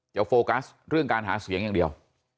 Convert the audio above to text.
โฟกัสเรื่องการหาเสียงอย่างเดียว